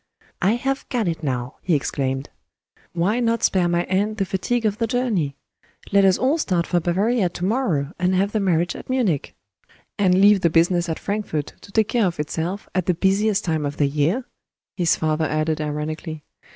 "I have got it now!" he exclaimed. "Why not spare my aunt the fatigue of the journey? Let us all start for Bavaria to morrow, and have the marriage at Munich!" "And leave the business at Frankfort to take care of itself, at the busiest time of the year!" his father added ironically.